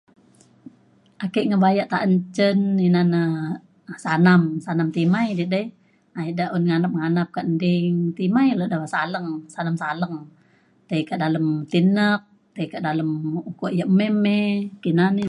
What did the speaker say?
Ake ngebaya cin taan na sanam timai na ida dey, ida un nganap-nganap nai ka n'ding timai day ida saleng, sanam saleng, tai ke dalem tinak, ke dalem uko yak may-may kina na